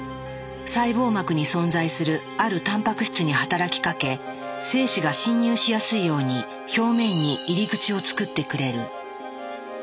細胞膜に存在するあるタンパク質に働きかけ精子が侵入しやすいように表面に入り口をつくってくれる。